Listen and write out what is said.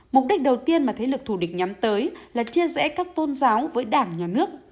mục đích đầu tiên mà thế lực thù địch nhắm tới là chia rẽ các tôn giáo với đảng nhà nước